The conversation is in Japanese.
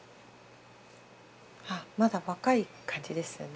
あまだ若い感じですよね。